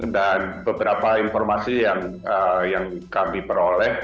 dan beberapa informasi yang kami peroleh